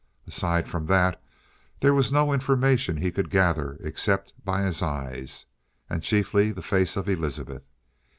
Aside from that, there was no information he could gather except by his eyes. And chiefly, the face of Elizabeth.